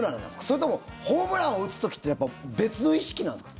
それともホームランを打つ時ってやっぱり別の意識なんですか？